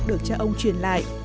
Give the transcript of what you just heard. được cho ông truyền lại